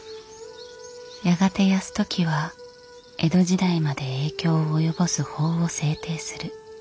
やがて泰時は江戸時代まで影響を及ぼす法を制定する。